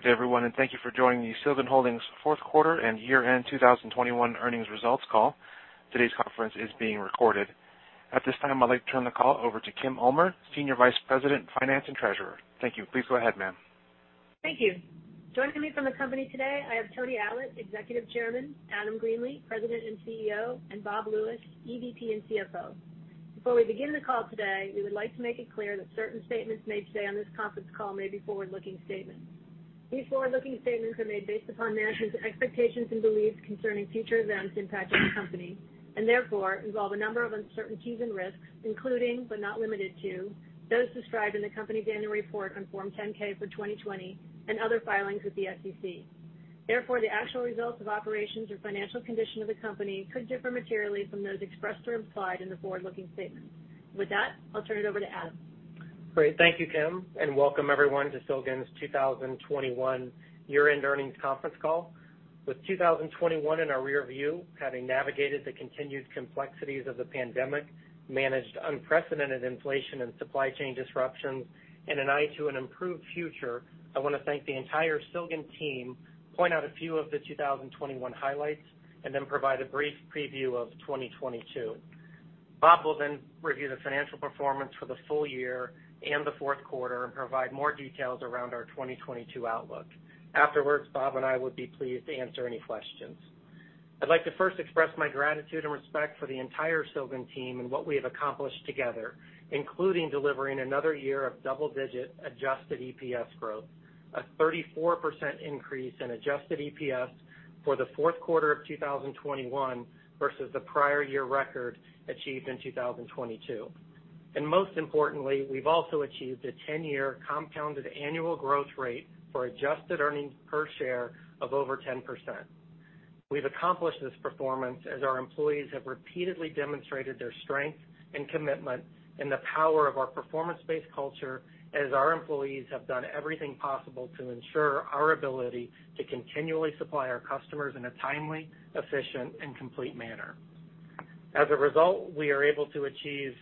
Good day, everyone, and thank you for joining the Silgan Holdings fourth quarter and year-end 2021 earnings results call. Today's conference is being recorded. At this time, I'd like to turn the call over to Kim Ulmer, Senior Vice President, Finance and Treasurer. Thank you. Please go ahead, ma'am. Thank you. Joining me from the company today, I have Tony Allott, Executive Chairman, Adam Greenlee, President and CEO, and Bob Lewis, EVP and CFO. Before we begin the call today, we would like to make it clear that certain statements made today on this conference call may be forward-looking statements. These forward-looking statements are made based upon management's expectations and beliefs concerning future events impacting the company, and therefore involve a number of uncertainties and risks, including, but not limited to, those described in the company's annual report on Form 10-K for 2020 and other filings with the SEC. Therefore, the actual results of operations or financial condition of the company could differ materially from those expressed or implied in the forward-looking statements. With that, I'll turn it over to Adam. Great. Thank you, Kim, and welcome everyone to Silgan's 2021 year-end earnings conference call. With 2021 in our rear view, having navigated the continued complexities of the pandemic, managed unprecedented inflation and supply chain disruptions, and an eye to an improved future, I wanna thank the entire Silgan team, point out a few of the 2021 highlights, and then provide a brief preview of 2022. Bob will then review the financial performance for the full year and the fourth quarter and provide more details around our 2022 outlook. Afterwards, Bob and I would be pleased to answer any questions. I'd like to first express my gratitude and respect for the entire Silgan team and what we have accomplished together, including delivering another year of double-digit adjusted EPS growth, a 34% increase in adjusted EPS for the fourth quarter of 2021 versus the prior year record achieved in 2022. Most importantly, we've also achieved a 10-year compounded annual growth rate for adjusted earnings per share of over 10%. We've accomplished this performance as our employees have repeatedly demonstrated their strength and commitment, and the power of our performance-based culture as our employees have done everything possible to ensure our ability to continually supply our customers in a timely, efficient, and complete manner. As a result, we are able to achieve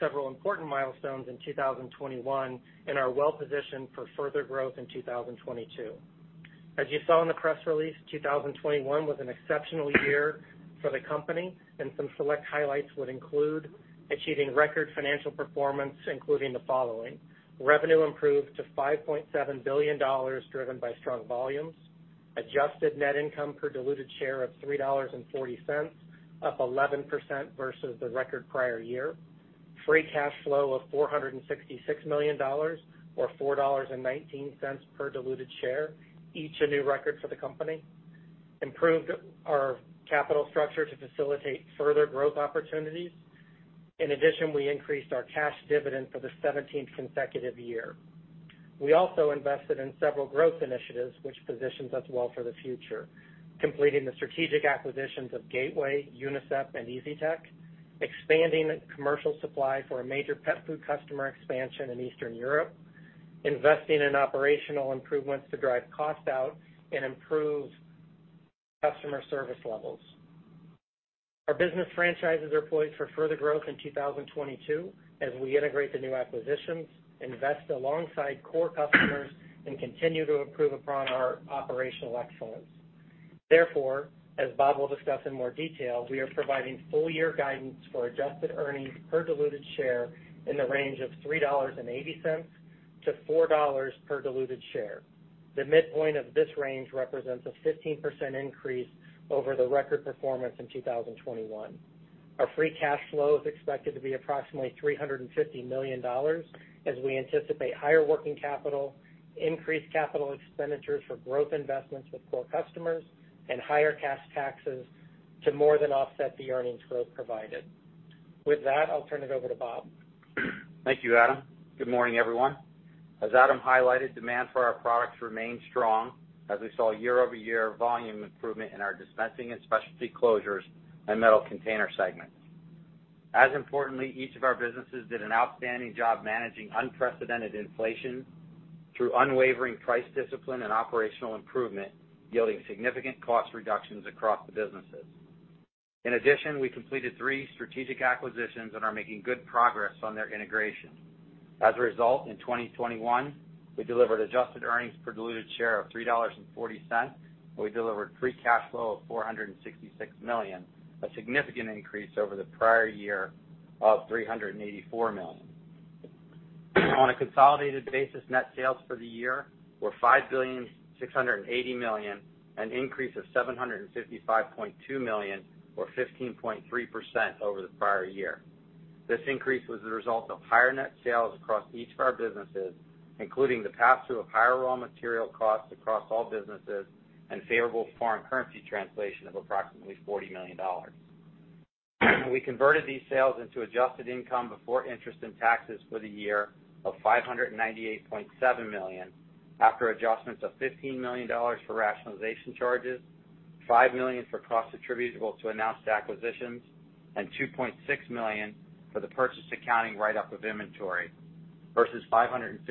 several important milestones in 2021 and are well-positioned for further growth in 2022. As you saw in the press release, 2021 was an exceptional year for the company, and some select highlights would include achieving record financial performance, including the following. Revenue improved to $5.7 billion, driven by strong volumes. Adjusted net income per diluted share of $3.40, up 11% versus the record prior year. Free cash flow of $466 million or $4.19 per diluted share, each a new record for the company. Improved our capital structure to facilitate further growth opportunities. In addition, we increased our cash dividend for the 17th consecutive year. We also invested in several growth initiatives which positions us well for the future, completing the strategic acquisitions of Gateway, Unicep, and Easytech, expanding commercial supply for a major pet food customer expansion in Eastern Europe, investing in operational improvements to drive costs out and improve customer service levels. Our business franchises are poised for further growth in 2022 as we integrate the new acquisitions, invest alongside core customers, and continue to improve upon our operational excellence. Therefore, as Bob will discuss in more detail, we are providing full year guidance for adjusted earnings per diluted share in the range of $3.80-$4 per diluted share. The midpoint of this range represents a 15% increase over the record performance in 2021. Our free cash flow is expected to be approximately $350 million, as we anticipate higher working capital, increased capital expenditures for growth investments with core customers, and higher cash taxes to more than offset the earnings growth provided. With that, I'll turn it over to Bob. Thank you, Adam. Good morning, everyone. As Adam highlighted, demand for our products remained strong as we saw year-over-year volume improvement in our Dispensing and Specialty Closures and Metal Containers segments. As importantly, each of our businesses did an outstanding job managing unprecedented inflation through unwavering price discipline and operational improvement, yielding significant cost reductions across the businesses. In addition, we completed three strategic acquisitions and are making good progress on their integration. As a result, in 2021, we delivered adjusted earnings per diluted share of $3.40, and we delivered free cash flow of $466 million, a significant increase over the prior year of $384 million. On a consolidated basis, net sales for the year were $5.68 billion, an increase of $755.2 million or 15.3% over the prior year. This increase was the result of higher net sales across each of our businesses, including the pass-through of higher raw material costs across all businesses and favorable foreign currency translation of approximately $40 million. We converted these sales into adjusted income before interest and taxes for the year of $598.7 million, after adjustments of $15 million for rationalization charges, $5 million for costs attributable to announced acquisitions, and $2.6 million for the purchase accounting write-up of inventory, versus $551.2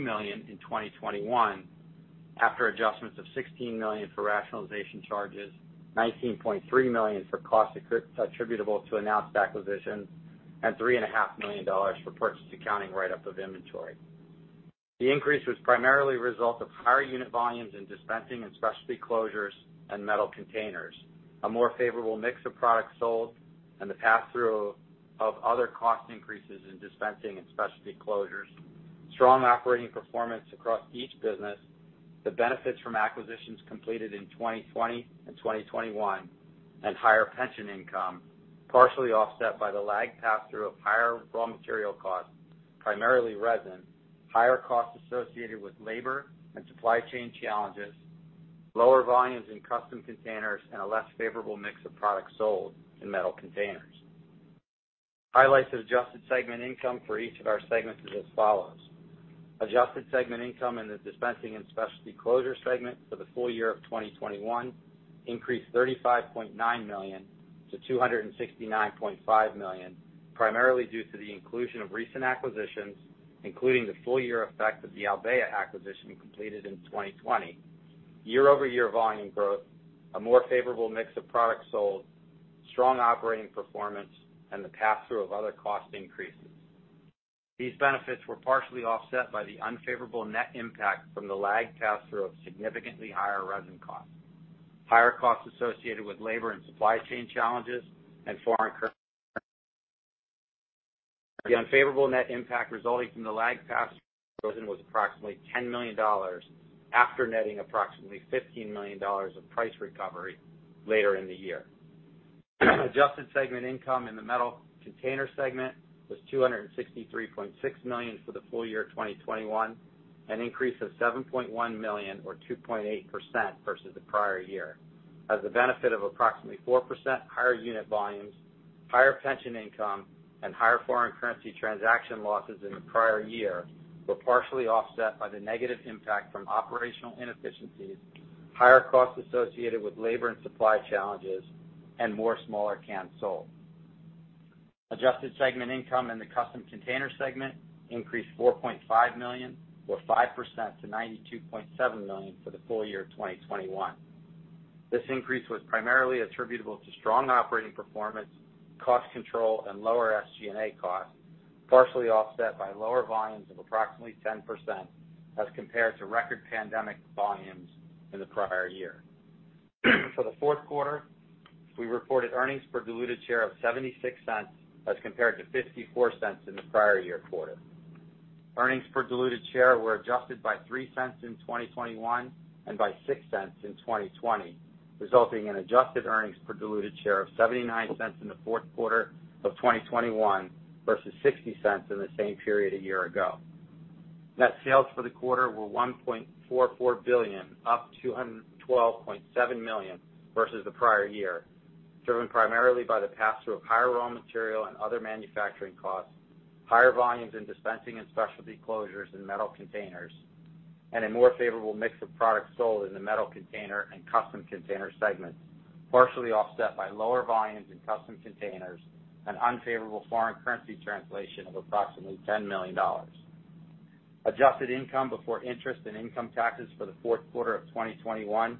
million in 2021. After adjustments of $16 million for rationalization charges, $19.3 million for costs attributable to announced acquisitions, and $3.5 million for purchase accounting write-up of inventory. The increase was primarily a result of higher unit volumes in Dispensing and Specialty Closures and Metal Containers, a more favorable mix of products sold, and the pass-through of other cost increases in Dispensing and Specialty Closures. Strong operating performance across each business, the benefits from acquisitions completed in 2020 and 2021, and higher pension income, partially offset by the lagged pass-through of higher raw material costs, primarily resin, higher costs associated with labor and supply chain challenges, lower volumes in Custom Containers, and a less favorable mix of products sold in Metal Containers. Highlights of adjusted segment income for each of our segments is as follows. Adjusted segment income in the Dispensing and Specialty Closures segment for the full year of 2021 increased $35.9 million to $269.5 million, primarily due to the inclusion of recent acquisitions, including the full year effect of the Albéa acquisition completed in 2020, year-over-year volume growth, a more favorable mix of products sold, strong operating performance, and the pass-through of other cost increases. These benefits were partially offset by the unfavorable net impact from the lagged pass-through of significantly higher resin costs, higher costs associated with labor and supply chain challenges, and foreign currency. The unfavorable net impact resulting from the lagged pass-through of resin was approximately $10 million after netting approximately $15 million of price recovery later in the year. Adjusted segment income in the Metal Containers segment was $263.6 million for the full year 2021, an increase of $7.1 million or 2.8% versus the prior year. As the benefit of approximately 4% higher unit volumes, higher pension income, and higher foreign currency transaction losses in the prior year were partially offset by the negative impact from operational inefficiencies, higher costs associated with labor and supply challenges, and more smaller cans sold. Adjusted segment income in the Custom Containers segment increased $4.5 million or 5% to $92.7 million for the full year of 2021. This increase was primarily attributable to strong operating performance, cost control and lower SG&A costs, partially offset by lower volumes of approximately 10% as compared to record pandemic volumes in the prior year. For the fourth quarter, we reported earnings per diluted share of $0.76 as compared to $0.54 in the prior year quarter. Earnings per diluted share were adjusted by $0.03 in 2021 and by $0.06 in 2020, resulting in adjusted earnings per diluted share of $0.79 in the fourth quarter of 2021 versus $0.60 in the same period a year ago. Net sales for the quarter were $1.44 billion, up $212.7 million versus the prior year, driven primarily by the pass-through of higher raw material and other manufacturing costs, higher volumes in Dispensing and Specialty Closures and Metal Containers, and a more favorable mix of products sold in the Metal Container and Custom Container segments, partially offset by lower volumes in Custom Containers and unfavorable foreign currency translation of approximately $10 million. Adjusted income before interest and income taxes for the fourth quarter of 2021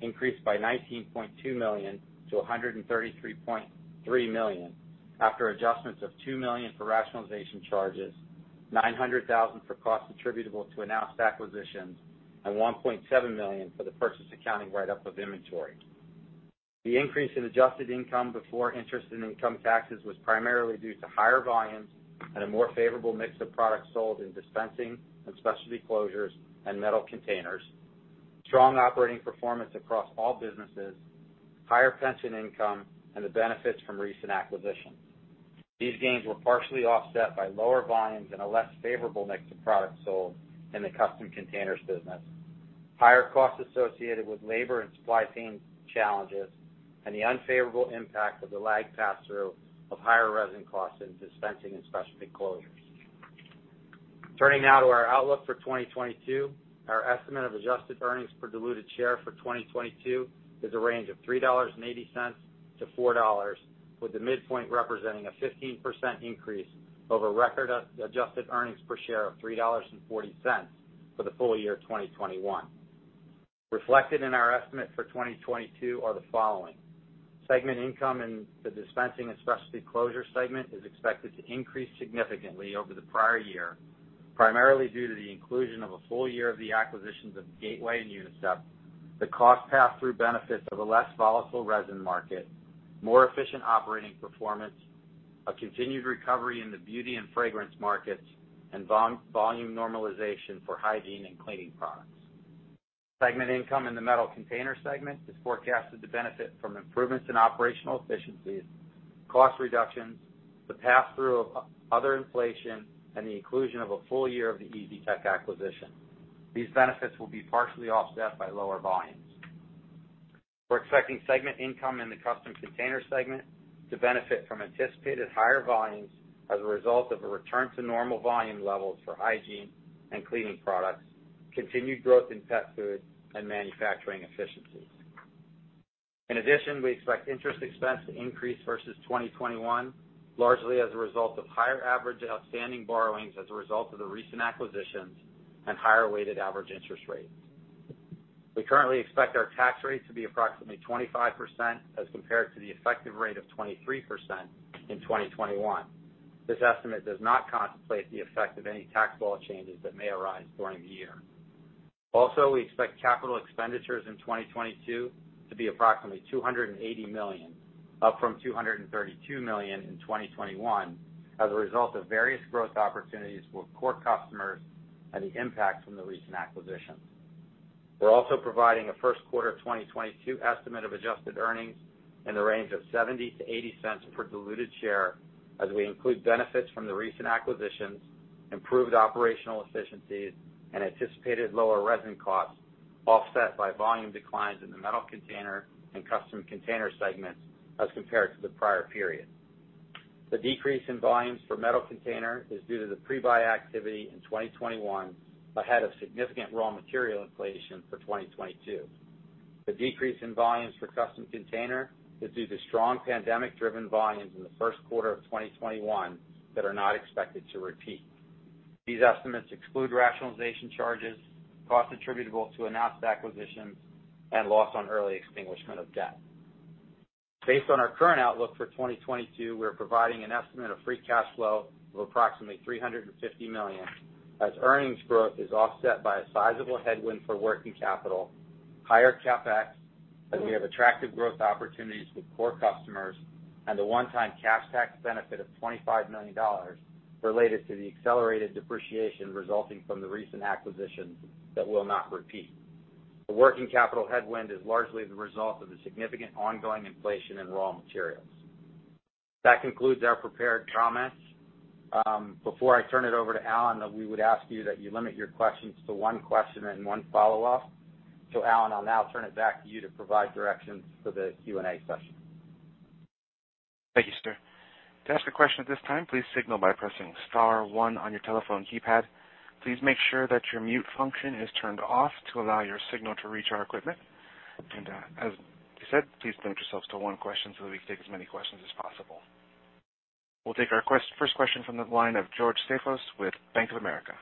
increased by $19.2 million to $133.3 million after adjustments of $2 million for rationalization charges, $900 thousand for costs attributable to announced acquisitions, and $1.7 million for the purchase accounting write-up of inventory. The increase in adjusted income before interest and income taxes was primarily due to higher volumes and a more favorable mix of products sold in Dispensing and Specialty Closures and Metal Containers, strong operating performance across all businesses, higher pension income, and the benefits from recent acquisitions. These gains were partially offset by lower volumes and a less favorable mix of products sold in the Custom Containers business, higher costs associated with labor and supply chain challenges, and the unfavorable impact of the lagged pass-through of higher resin costs in Dispensing and Specialty Closures. Turning now to our outlook for 2022. Our estimate of adjusted earnings per diluted share for 2022 is a range of $3.80-$4, with the midpoint representing a 15% increase over record adjusted earnings per share of $3.40 for the full year of 2021. Reflected in our estimate for 2022 are the following. Segment income in the Dispensing and Specialty Closures segment is expected to increase significantly over the prior year, primarily due to the inclusion of a full year of the acquisitions of Gateway and Unicep, the cost pass-through benefits of a less volatile resin market, more efficient operating performance, a continued recovery in the beauty and fragrance markets, and volume normalization for hygiene and cleaning products. Segment income in the Metal Containers segment is forecasted to benefit from improvements in operational efficiencies, cost reductions, the pass-through of other inflation, and the inclusion of a full year of the Easytech acquisition. These benefits will be partially offset by lower volumes. We're expecting segment income in the Custom Containers segment to benefit from anticipated higher volumes as a result of a return to normal volume levels for hygiene and cleaning products, continued growth in pet food, and manufacturing efficiencies. In addition, we expect interest expense to increase versus 2021, largely as a result of higher average outstanding borrowings as a result of the recent acquisitions and higher weighted average interest rates. We currently expect our tax rate to be approximately 25% as compared to the effective rate of 23% in 2021. This estimate does not contemplate the effect of any tax law changes that may arise during the year. We expect capital expenditures in 2022 to be approximately $280 million, up from $232 million in 2021 as a result of various growth opportunities for core customers and the impact from the recent acquisitions. We're also providing a first quarter of 2022 estimate of adjusted earnings in the range of $0.70-$0.80 per diluted share as we include benefits from the recent acquisitions, improved operational efficiencies, and anticipated lower resin costs, offset by volume declines in the Metal Containers and Custom Containers segments as compared to the prior period. The decrease in volumes for Metal Containers is due to the pre-buy activity in 2021 ahead of significant raw material inflation for 2022. The decrease in volumes for Custom Containers is due to strong pandemic-driven volumes in the first quarter of 2021 that are not expected to repeat. These estimates exclude rationalization charges, costs attributable to announced acquisitions, and loss on early extinguishment of debt. Based on our current outlook for 2022, we are providing an estimate of free cash flow of approximately $350 million as earnings growth is offset by a sizable headwind for working capital, higher CapEx as we have attractive growth opportunities with core customers, and the one-time cash tax benefit of $25 million related to the accelerated depreciation resulting from the recent acquisitions that will not repeat. The working capital headwind is largely the result of the significant ongoing inflation in raw materials. That concludes our prepared comments. Before I turn it over to Alan, we would ask you that you limit your questions to one question and one follow-up. Alan, I'll now turn it back to you to provide directions for the Q&A session. Thank you, sir. To ask a question at this time, please signal by pressing star one on your telephone keypad. Please make sure that your mute function is turned off to allow your signal to reach our equipment. As you said, please limit yourselves to one question so that we can take as many questions as possible. We'll take our first question from the line of George Staphos with Bank of America.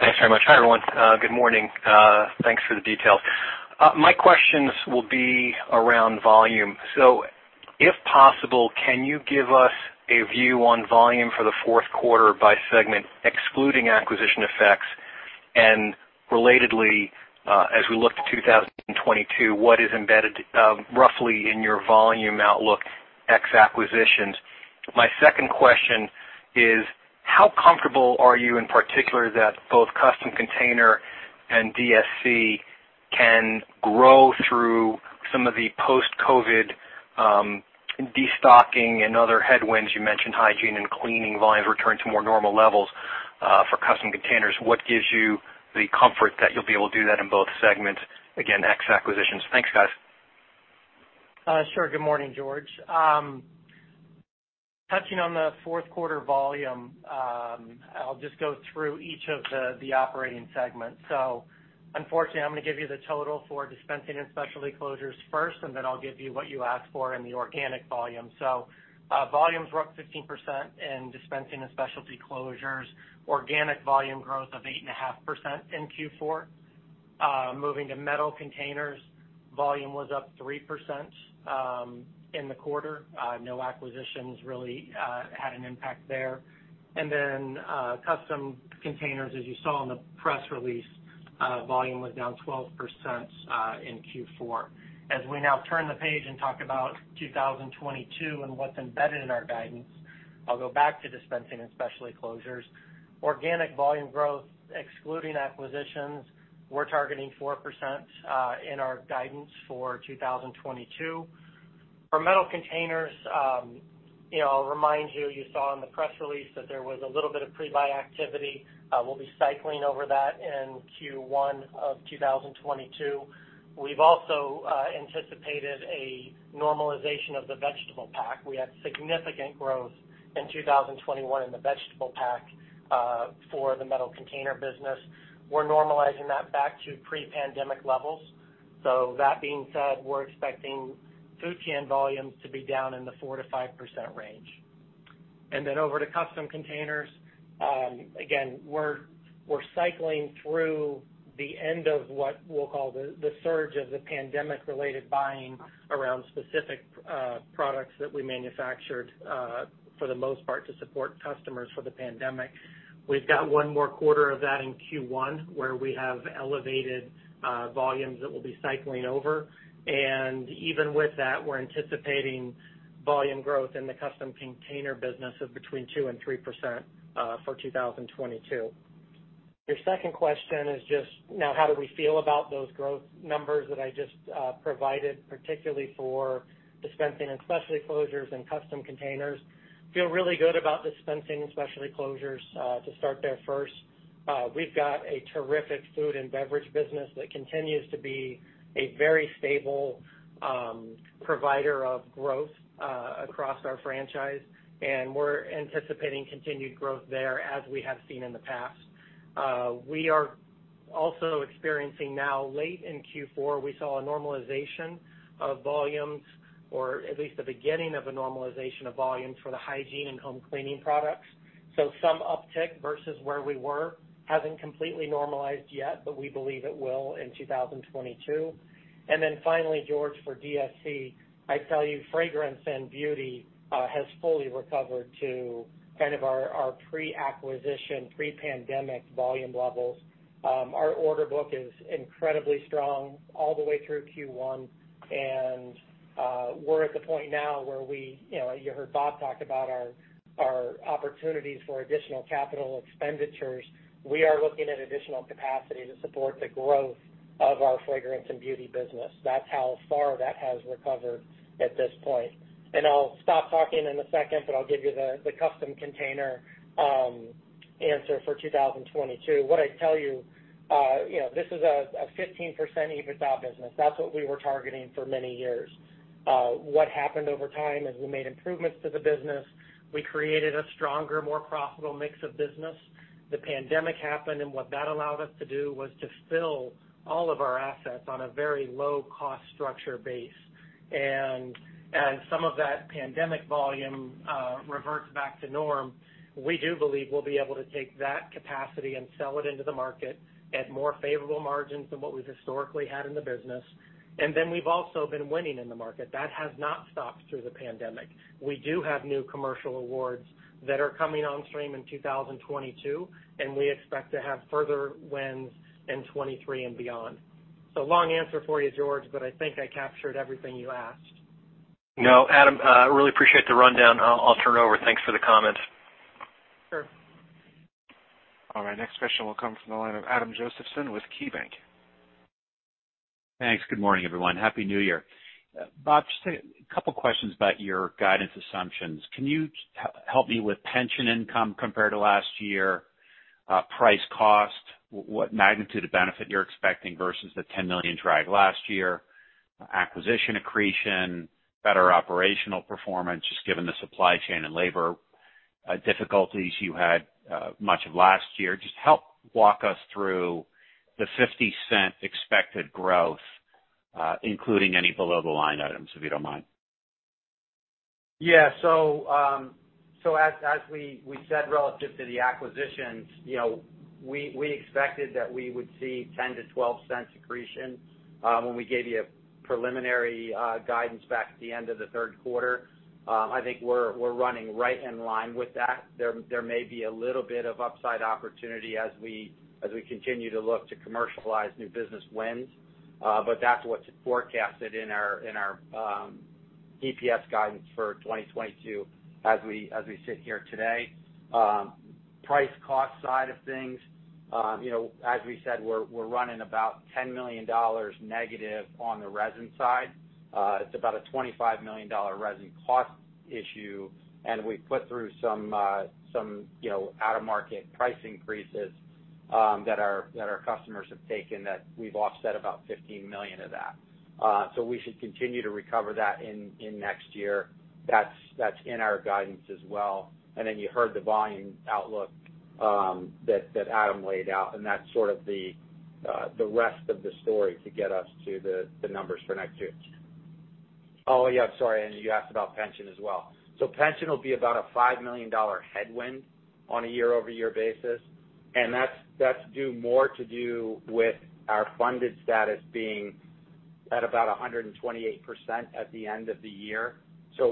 Thanks very much. Hi, everyone. Good morning. Thanks for the details. My questions will be around volume. If possible, can you give us a view on volume for the fourth quarter by segment excluding acquisition effects? Relatedly, as we look to 2022, what is embedded, roughly, in your volume outlook ex acquisitions? My second question is how comfortable are you in particular that both Custom Containers and DSC can grow through some of the post-COVID destocking and other headwinds? You mentioned hygiene and cleaning volumes return to more normal levels for Custom Containers. What gives you the comfort that you'll be able to do that in both segments, again, ex acquisitions? Thanks, guys. Sure. Good morning, George. Touching on the fourth quarter volume, I'll just go through each of the operating segments. Unfortunately, I'm gonna give you the total for Dispensing and Specialty Closures first, and then I'll give you what you asked for in the organic volume. Volumes were up 15% in Dispensing and Specialty Closures. Organic volume growth of 8.5% in Q4. Moving to Metal Containers, volume was up 3% in the quarter. No acquisitions really had an impact there. Custom Containers, as you saw in the press release, volume was down 12% in Q4. As we now turn the page and talk about 2022 and what's embedded in our guidance, I'll go back to Dispensing and Specialty Closures. Organic volume growth excluding acquisitions, we're targeting 4% in our guidance for 2022. For Metal Containers, you know, I'll remind you saw in the press release that there was a little bit of pre-buy activity. We'll be cycling over that in Q1 of 2022. We've also anticipated a normalization of the vegetable pack. We had significant growth in 2021 in the vegetable pack for the Metal Containers business. We're normalizing that back to pre-pandemic levels. That being said, we're expecting food can volumes to be down in the 4%-5% range. Over to Custom Containers, again, we're cycling through the end of what we'll call the surge of the pandemic-related buying around specific products that we manufactured for the most part to support customers for the pandemic. We've got one more quarter of that in Q1, where we have elevated volumes that we'll be cycling over. Even with that, we're anticipating volume growth in the Custom Containers business of between 2%-3% for 2022. Your second question is just now how do we feel about those growth numbers that I just provided, particularly for Dispensing and Specialty Closures and Custom Containers? We feel really good about Dispensing and Specialty Closures to start there first. We've got a terrific food and beverage business that continues to be a very stable provider of growth across our franchise, and we're anticipating continued growth there as we have seen in the past. We are also experiencing now, late in Q4, we saw a normalization of volumes, or at least the beginning of a normalization of volumes for the hygiene and home cleaning products. Some uptick versus where we were. Hasn't completely normalized yet, but we believe it will in 2022. Finally, George, for DSC, I tell you fragrance and beauty has fully recovered to kind of our pre-acquisition, pre-pandemic volume levels. Our order book is incredibly strong all the way through Q1. We're at the point now where we, you know, you heard Bob talk about our opportunities for additional capital expenditures. We are looking at additional capacity to support the growth of our fragrance and beauty business. That's how far that has recovered at this point. I'll stop talking in a second, but I'll give you the Custom Containers answer for 2022. What I'd tell you know, this is a 15% EBITDA business. That's what we were targeting for many years. What happened over time, as we made improvements to the business, we created a stronger, more profitable mix of business. The pandemic happened, and what that allowed us to do was to fill all of our assets on a very low cost structure base. As some of that pandemic volume reverts back to norm, we do believe we'll be able to take that capacity and sell it into the market at more favorable margins than what we've historically had in the business. Then we've also been winning in the market. That has not stopped through the pandemic. We do have new commercial awards that are coming on stream in 2022, and we expect to have further wins in 2023 and beyond. Long answer for you, George, but I think I captured everything you asked. No, Adam, really appreciate the rundown. I'll turn it over. Thanks for the comments. Sure. All right, next question will come from the line of Adam Josephson with KeyBanc. Thanks. Good morning, everyone. Happy New Year. Bob, just a couple questions about your guidance assumptions. Can you help me with pension income compared to last year? Price cost, what magnitude of benefit you're expecting versus the $10 million drag last year? Acquisition accretion, better operational performance, just given the supply chain and labor difficulties you had much of last year. Just help walk us through the $0.50 expected growth, including any below-the-line items, if you don't mind. As we said relative to the acquisitions, you know, we expected that we would see $0.10-$0.12 accretion when we gave you a preliminary guidance back at the end of the third quarter. I think we're running right in line with that. There may be a little bit of upside opportunity as we continue to look to commercialize new business wins. But that's what's forecasted in our EPS guidance for 2022 as we sit here today. Price cost side of things, you know, as we said, we're running about $10 million negative on the resin side. It's about a $25 million resin cost issue, and we put through some, you know, out-of-market price increases that our customers have taken that we've offset about $15 million of that. We should continue to recover that in next year. That's in our guidance as well. You heard the volume outlook that Adam laid out, and that's sort of the rest of the story to get us to the numbers for next year. Oh, yeah, sorry, you asked about pension as well. Pension will be about a $5 million headwind on a year-over-year basis, and that's due more to do with our funded status being at about 128% at the end of the year.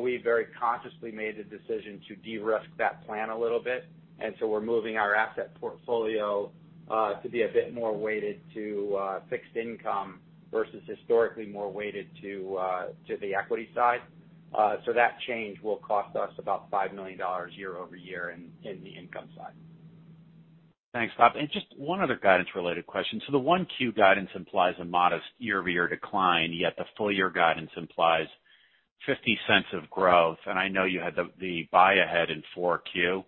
We very consciously made the decision to de-risk that plan a little bit. We're moving our asset portfolio to be a bit more weighted to fixed income versus historically more weighted to the equity side. That change will cost us about $5 million year-over-year in the income side. Thanks, Bob. Just one other guidance-related question. The 1Q guidance implies a modest year-over-year decline, yet the full year guidance implies $0.50 of growth. I know you had the buy ahead in 4Q.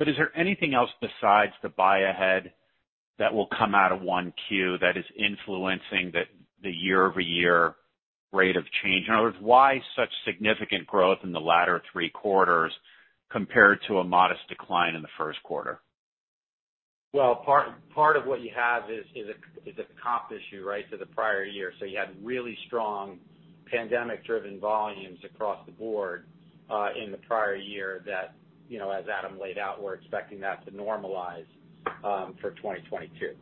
Is there anything else besides the buy ahead that will come out of 1Q that is influencing the year-over-year rate of change? In other words, why such significant growth in the latter three quarters compared to a modest decline in the first quarter? Well, part of what you have is a comp issue, right, to the prior year. You had really strong pandemic-driven volumes across the board, in the prior year that, you know, as Adam laid out, we're expecting that to normalize, for 2022.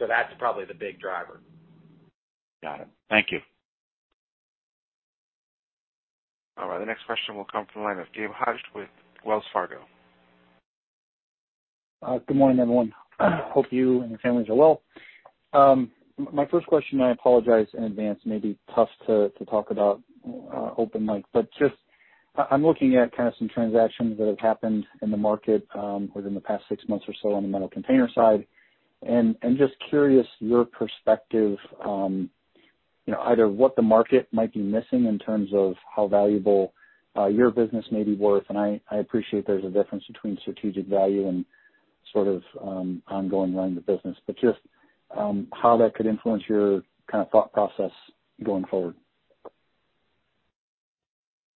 That's probably the big driver. Got it. Thank you. All right, the next question will come from the line of Gabe Hajde with Wells Fargo. Good morning, everyone. Hope you and your families are well. My first question, I apologize in advance, may be tough to talk about openly. Just, I'm looking at kind of some transactions that have happened in the market within the past six months or so on the Metal Containers side. I'm just curious your perspective, you know, either what the market might be missing in terms of how valuable your business may be worth. I appreciate there's a difference between strategic value and sort of ongoing running the business. Just how that could influence your kind of thought process going forward.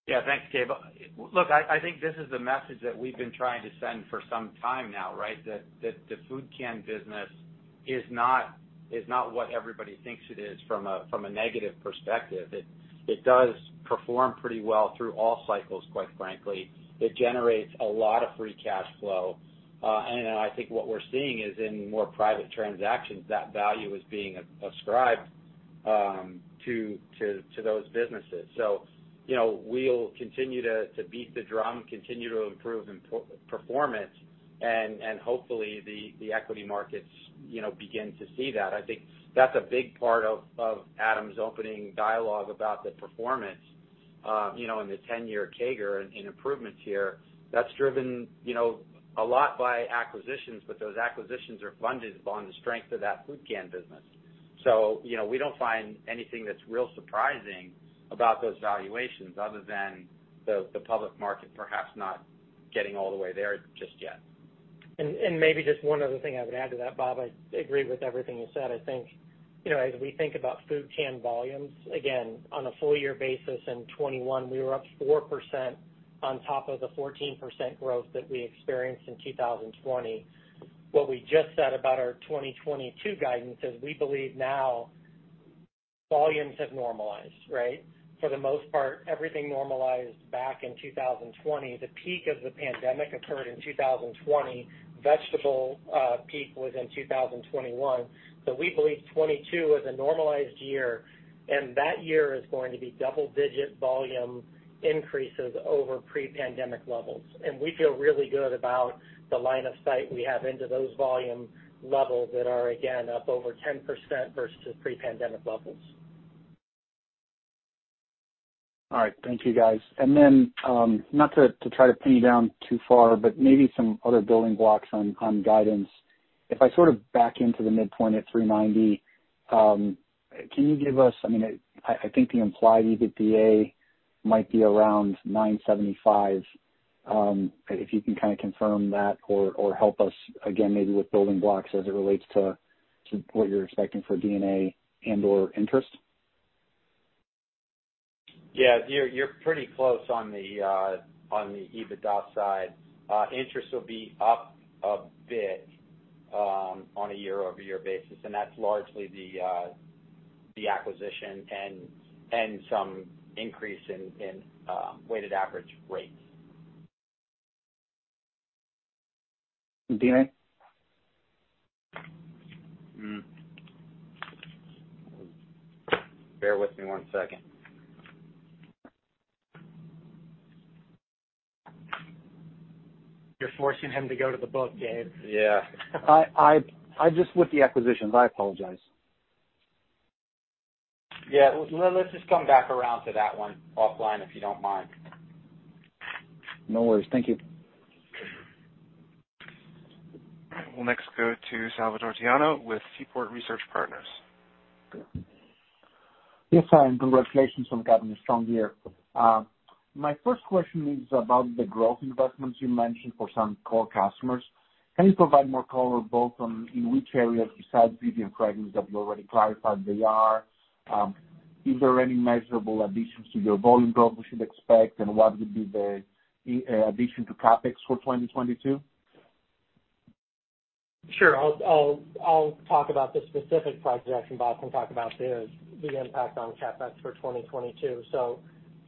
Yeah, thanks, Gabe. Look, I think this is the message that we've been trying to send for some time now, right? That the food can business is not what everybody thinks it is from a negative perspective. It does perform pretty well through all cycles, quite frankly. It generates a lot of free cash flow. I think what we're seeing is in more private transactions, that value is being ascribed to those businesses. We'll continue to beat the drum, continue to improve performance, and hopefully the equity markets begin to see that. I think that's a big part of Adam's opening dialogue about the performance in the 10-year CAGR in improvements here. That's driven, you know, a lot by acquisitions, but those acquisitions are funded on the strength of that food can business. You know, we don't find anything that's real surprising about those valuations other than the public market perhaps not getting all the way there just yet. Maybe just one other thing I would add to that, Bob. I agree with everything you said. I think, you know, as we think about food can volumes, again, on a full year basis in 2021, we were up 4% on top of the 14% growth that we experienced in 2020. What we just said about our 2022 guidance is we believe now volumes have normalized, right? For the most part, everything normalized back in 2020. The peak of the pandemic occurred in 2020. Vegetable peak was in 2021. We believe 2022 is a normalized year, and that year is going to be double-digit volume increases over pre-pandemic levels. We feel really good about the line of sight we have into those volume levels that are, again, up over 10% versus pre-pandemic levels. All right. Thank you, guys. Not to try to pin you down too far, but maybe some other building blocks on guidance. If I sort of back into the midpoint at $390, can you give us? I mean, I think the implied EBITDA might be around $975, if you can kind of confirm that or help us again, maybe with building blocks as it relates to what you're expecting for D&A and/or interest. Yeah. You're pretty close on the EBITDA side. Interest will be up a bit, on a year-over-year basis, and that's largely the acquisition and some increase in weighted average rates. D&A? Bear with me one second. You're forcing him to go to the book, Gabe. Yeah. I just with the acquisitions. I apologize. Yeah. Let's just come back around to that one offline, if you don't mind. No worries. Thank you. We'll next go to Salvator Tiano with Seaport Research Partners. Yes, congratulations on having a strong year. My first question is about the growth investments you mentioned for some core customers. Can you provide more color both on in which areas besides beauty and fragrance that you already clarified they are? Is there any measurable additions to your volume growth we should expect? What would be the addition to CapEx for 2022? Sure. I'll talk about the specific projects, and Bob can talk about the impact on CapEx for 2022.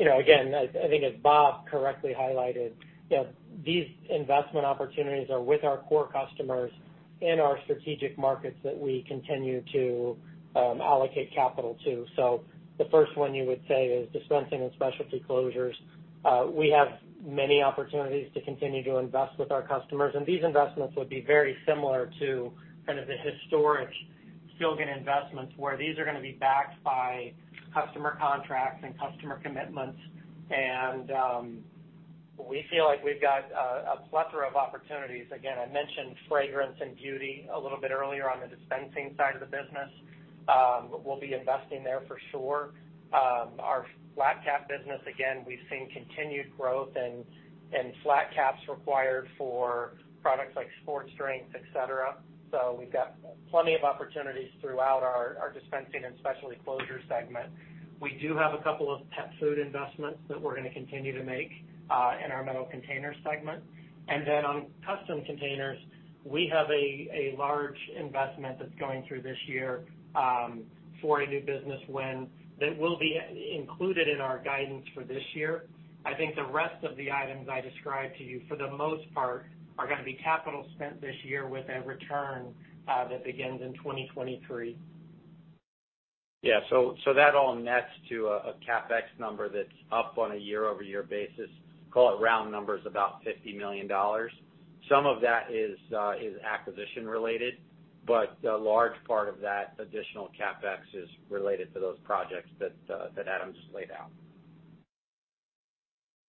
You know, again, I think as Bob correctly highlighted, you know, these investment opportunities are with our core customers in our strategic markets that we continue to allocate capital to. The first one you would say is Dispensing and Specialty Closures. We have many opportunities to continue to invest with our customers, and these investments would be very similar to kind of the historic Silgan investments, where these are gonna be backed by customer contracts and customer commitments. We feel like we've got a plethora of opportunities. Again, I mentioned fragrance and beauty a little bit earlier on the dispensing side of the business. We'll be investing there for sure. Our flat caps business, again, we've seen continued growth and flat caps required for products like sports drinks, et cetera. We've got plenty of opportunities throughout our Dispensing and Specialty Closures segment. We do have a couple of pet food investments that we're gonna continue to make in our Metal Containers segment. On custom containers, we have a large investment that's going through this year for a new business win that will be included in our guidance for this year. I think the rest of the items I described to you for the most part are gonna be capital spent this year with a return that begins in 2023. That all nets to a CapEx number that's up on a year-over-year basis. Call it round numbers, about $50 million. Some of that is acquisition related, but a large part of that additional CapEx is related to those projects that Adam just laid out.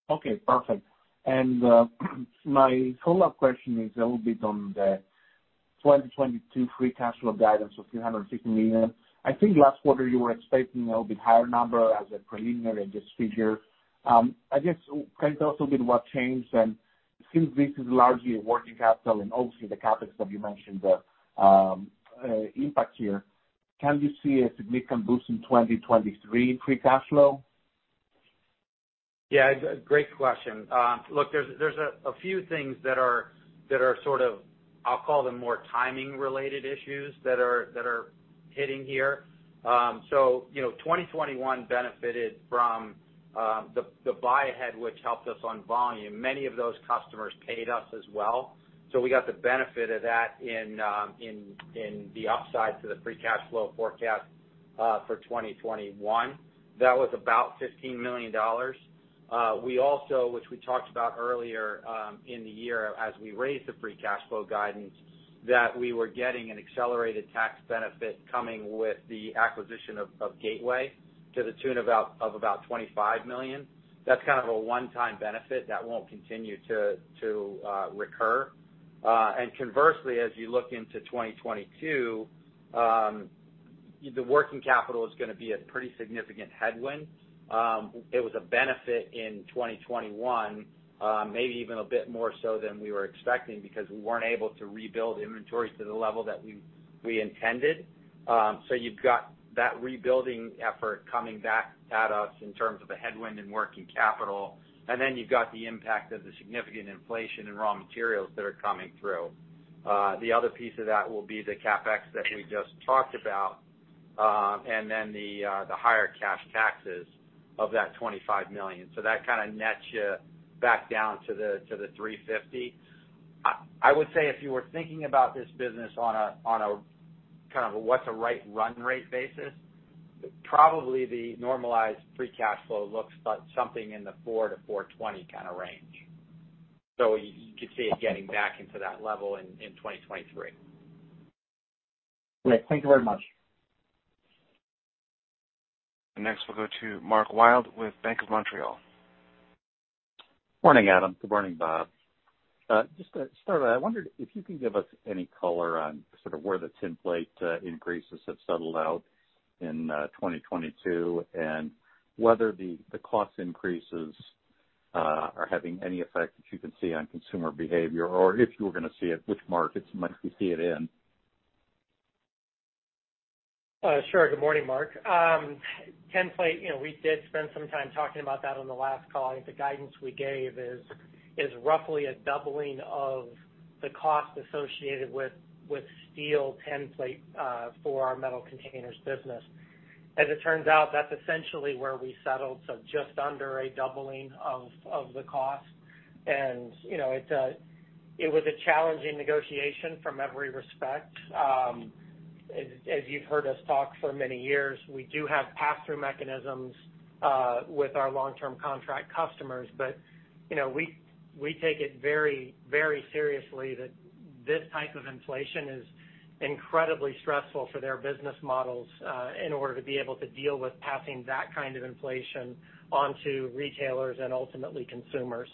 Okay, perfect. My follow-up question is a little bit on the 2022 free cash flow guidance of $360 million. I think last quarter you were expecting a little bit higher number as a preliminary just figure. I guess can you tell us a bit what changed and since this is largely a working capital and obviously the CapEx that you mentioned the impact here, can you see a significant boost in 2023 in free cash flow? Yeah, great question. Look, there's a few things that are sort of, I'll call them more timing related issues that are hitting here. You know, 2021 benefited from the buy ahead, which helped us on volume. Many of those customers paid us as well, so we got the benefit of that in the upside to the free cash flow forecast for 2021. That was about $15 million. We also, which we talked about earlier, in the year as we raised the free cash flow guidance, that we were getting an accelerated tax benefit coming with the acquisition of Gateway to the tune of about $25 million. That's kind of a one-time benefit that won't continue to recur. Conversely, as you look into 2022, the working capital is gonna be a pretty significant headwind. It was a benefit in 2021, maybe even a bit more so than we were expecting because we weren't able to rebuild inventory to the level that we intended. You've got that rebuilding effort coming back at us in terms of a headwind in working capital. Then you've got the impact of the significant inflation in raw materials that are coming through. The other piece of that will be the CapEx that we just talked about, and then the higher cash taxes of that $25 million. That kinda nets you back down to the $350 million. I would say if you were thinking about this business on a kind of a what's a right run rate basis, probably the normalized free cash flow looks about something in the $400-$420 kinda range. You could see it getting back into that level in 2023. Great. Thank you very much. Next we'll go to Mark Wilde with Bank of Montreal. Morning, Adam. Good morning, Bob. Just to start, I wondered if you could give us any color on sort of where the tinplate increases have settled out in 2022, and whether the cost increases are having any effect that you can see on consumer behavior, or if you were gonna see it, which markets might you see it in? Sure. Good morning, Mark. Let me, you know, we did spend some time talking about that on the last call. I think the guidance we gave is roughly a doubling of the cost associated with steel tinplate for our Metal Containers business. As it turns out, that's essentially where we settled, so just under a doubling of the cost. You know, it was a challenging negotiation from every respect. As you've heard us talk for many years, we do have pass-through mechanisms with our long-term contract customers. You know, we take it very, very seriously that this type of inflation is incredibly stressful for their business models in order to be able to deal with passing that kind of inflation onto retailers and ultimately consumers.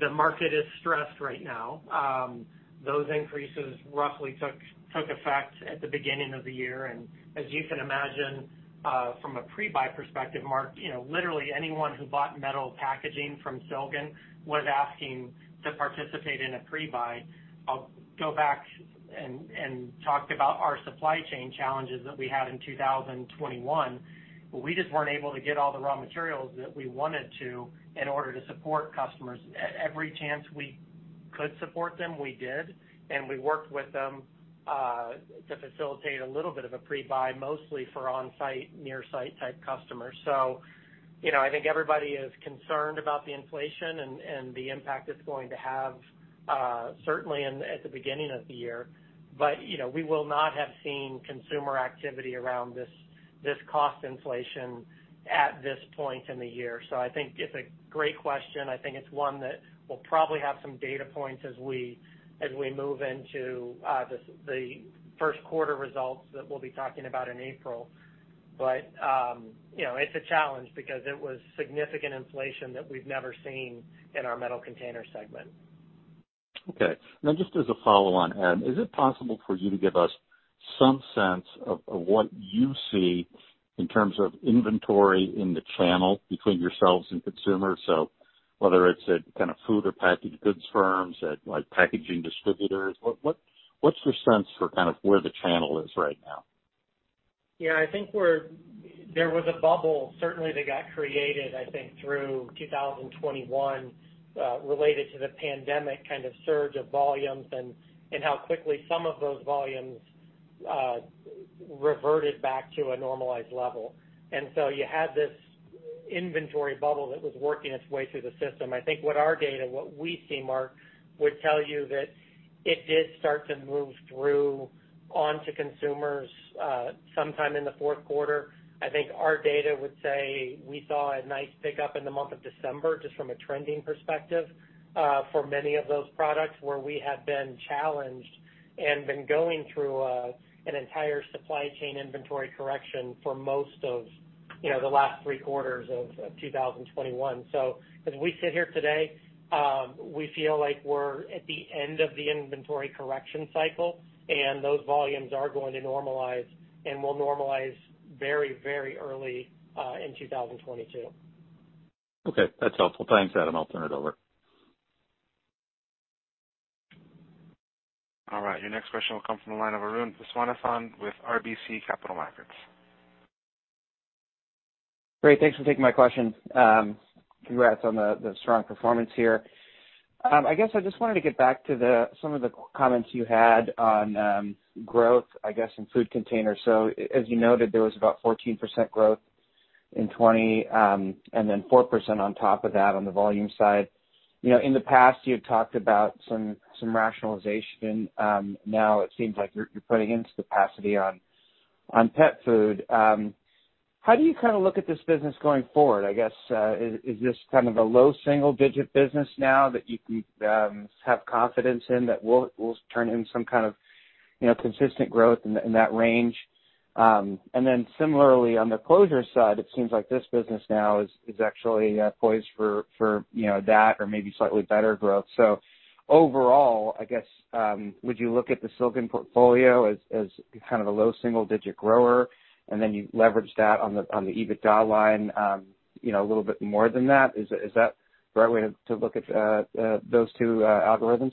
The market is stressed right now. Those increases roughly took effect at the beginning of the year. As you can imagine, from a pre-buy perspective, Mark, you know, literally anyone who bought metal packaging from Silgan was asking to participate in a pre-buy. I'll go back and talk about our supply chain challenges that we had in 2021. We just weren't able to get all the raw materials that we wanted to in order to support customers. At every chance we could support them, we did, and we worked with them to facilitate a little bit of a pre-buy, mostly for on-site, near-site type customers. You know, I think everybody is concerned about the inflation and the impact it's going to have, certainly at the beginning of the year. You know, we will not have seen consumer activity around this cost inflation at this point in the year. I think it's a great question. I think it's one that we'll probably have some data points as we move into the first quarter results that we'll be talking about in April. You know, it's a challenge because it was significant inflation that we've never seen in our Metal Containers segment. Okay. Now just as a follow on, Adam, is it possible for you to give us some sense of what you see in terms of inventory in the channel between yourselves and consumers? Whether it's at kind of food or packaged goods firms, at like packaging distributors, what's your sense for kind of where the channel is right now? Yeah, I think there was a bubble certainly that got created, I think, through 2021, related to the pandemic kind of surge of volumes and how quickly some of those volumes reverted back to a normalized level. So you had this inventory bubble that was working its way through the system. I think what our data, what we see, Mark, would tell you that it did start to move through onto consumers sometime in the fourth quarter. I think our data would say we saw a nice pickup in the month of December, just from a trending perspective, for many of those products where we have been challenged and been going through an entire supply chain inventory correction for most of the last three quarters of 2021. As we sit here today, we feel like we're at the end of the inventory correction cycle, and those volumes are going to normalize and will normalize very, very early in 2022. Okay. That's helpful. Thanks, Adam. I'll turn it over. All right, your next question will come from the line of Arun Viswanathan with RBC Capital Markets. Great. Thanks for taking my question. Congrats on the strong performance here. I guess I just wanted to get back to some of the comments you had on growth, I guess, in food containers. As you noted, there was about 14% growth in 2020, and then 4% on top of that on the volume side. You know, in the past, you had talked about some rationalization. Now it seems like you're putting in capacity on pet food. How do you kind of look at this business going forward? I guess, is this kind of a low single digit business now that you can have confidence in that will turn in some kind of, you know, consistent growth in that range? Similarly on the closure side, it seems like this business now is actually poised for you know that or maybe slightly better growth. Overall, I guess, would you look at the Silgan portfolio as kind of a low single digit grower, and then you leverage that on the EBITDA line, you know, a little bit more than that? Is that the right way to look at those two algorithms?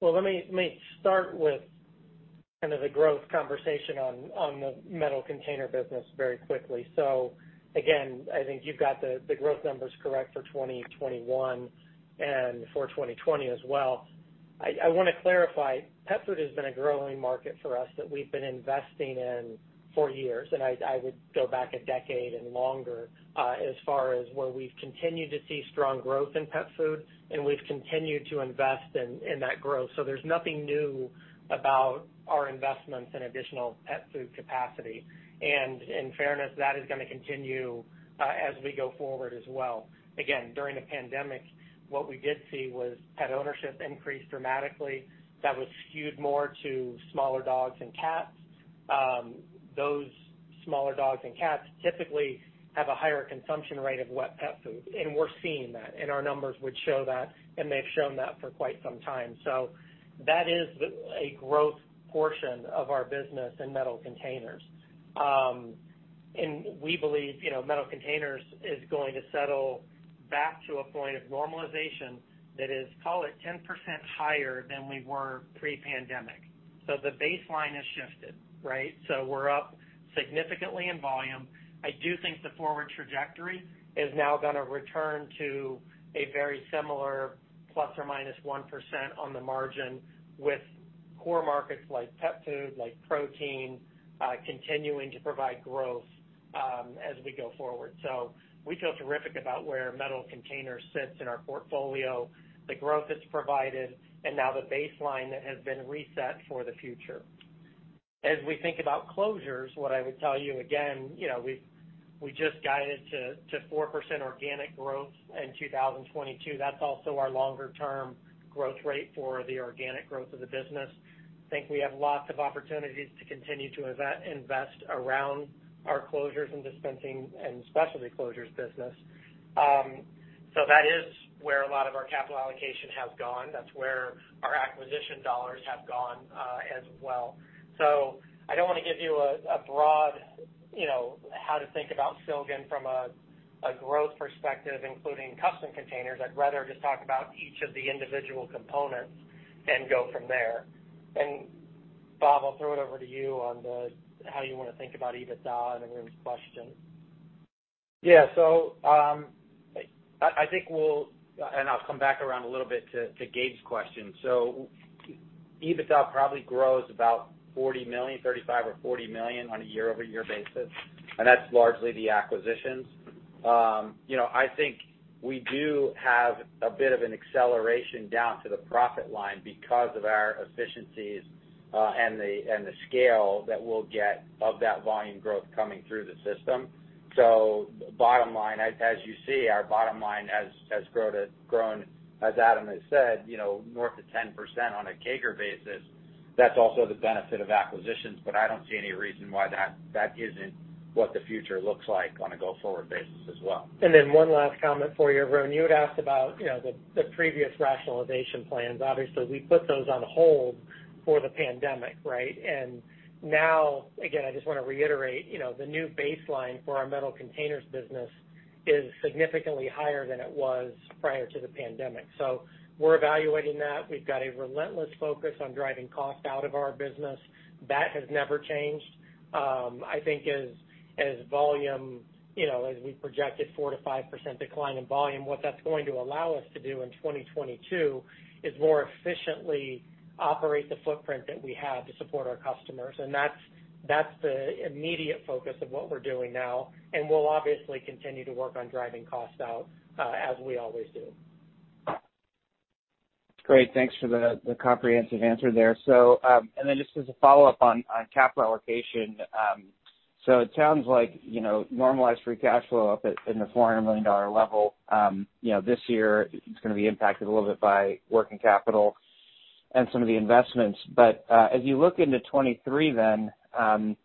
Well, let me start with kind of the growth conversation on the Metal Containers business very quickly. Again, I think you've got the growth numbers correct for 2021 and for 2020 as well. I wanna clarify, pet food has been a growing market for us that we've been investing in for years. I would go back a decade and longer as far as where we've continued to see strong growth in pet food, and we've continued to invest in that growth. There's nothing new about our investments in additional pet food capacity. In fairness, that is gonna continue as we go forward as well. Again, during the pandemic, what we did see was pet ownership increased dramatically. That was skewed more to smaller dogs and cats. Those smaller dogs and cats typically have a higher consumption rate of wet pet food, and we're seeing that, and our numbers would show that, and they've shown that for quite some time. That is a growth portion of our business in Metal Containers. We believe, you know, Metal Containers is going to settle back to a point of normalization that is, call it, 10% higher than we were pre-pandemic. The baseline has shifted, right? We're up significantly in volume. I do think the forward trajectory is now gonna return to a very similar plus or minus 1% on the margin with core markets like pet food, like protein, continuing to provide growth, as we go forward. We feel terrific about where Metal Containers sits in our portfolio, the growth it's provided, and now the baseline that has been reset for the future. As we think about closures, what I would tell you, again, you know, we've just guided to 4% organic growth in 2022. That's also our longer term growth rate for the organic growth of the business. I think we have lots of opportunities to continue to invest around our Closures and Dispensing and Specialty Closures business. So that is where a lot of our capital allocation has gone. That's where our acquisition dollars have gone, as well. I don't wanna give you a broad, you know, how to think about Silgan from a growth perspective, including Custom Containers. I'd rather just talk about each of the individual components and go from there. Bob, I'll throw it over to you on how you wanna think about EBITDA and Arun's question. Yeah. I'll come back around a little bit to Gabe's question. EBITDA probably grows about $40 million, $35 million or $40 million on a year-over-year basis, and that's largely the acquisitions. You know, I think we do have a bit of an acceleration down to the profit line because of our efficiencies, and the scale that we'll get of that volume growth coming through the system. Bottom line, as you see, our bottom line has grown, as Adam has said, you know, north of 10% on a CAGR basis. That's also the benefit of acquisitions, but I don't see any reason why that isn't what the future looks like on a go-forward basis as well. Then one last comment for you, Arun. You had asked about, you know, the previous rationalization plans. Obviously, we put those on hold for the pandemic, right? Now, again, I just wanna reiterate, you know, the new baseline for our Metal Containers business is significantly higher than it was prior to the pandemic. We're evaluating that. We've got a relentless focus on driving cost out of our business. That has never changed. I think as volume, you know, as we projected 4%-5% decline in volume, what that's going to allow us to do in 2022 is more efficiently operate the footprint that we have to support our customers. That's the immediate focus of what we're doing now, and we'll obviously continue to work on driving costs out, as we always do. Great. Thanks for the comprehensive answer there. Just as a follow-up on capital allocation. It sounds like, you know, normalized free cash flow up at in the $400 million level, you know, this year it's gonna be impacted a little bit by working capital. Some of the investments. As you look into 2023 then,